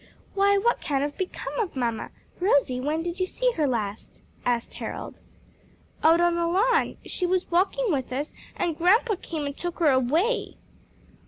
"Why, what can have become of mamma? Rosie, when did you see her last?" asked Harold. "Out on the lawn. She was walking with us, and grandpa came and took her away."